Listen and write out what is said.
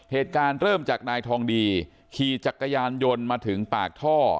เหตุการณ์เริ่มจากนายทองดีขี่จักรยานยนต์มาถึงปากท่อ